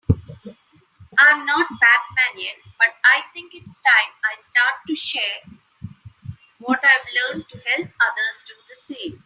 I'm not Batman yet, but I think it's time I start to share what I've learned to help others do the same.